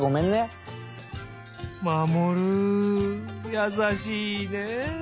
やさしいね！